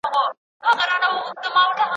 په مصر کي سوسیالیزم منځ ته راغی.